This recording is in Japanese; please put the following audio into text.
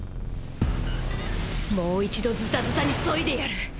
もう一度ズタズタに削いでやる。